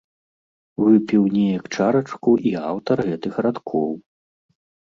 Выпіў неяк чарачку і аўтар гэтых радкоў.